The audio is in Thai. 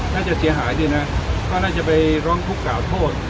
น่าจะเสียหายด้วยนะก็น่าจะไปร้องทุกข์กล่าวโทษ